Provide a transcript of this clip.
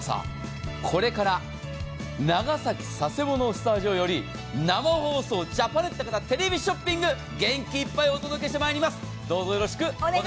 これから長崎・佐世保のスタジオより生放送ジャパネットたかたテレビショッピング元気いっぱいお届けしてまいります。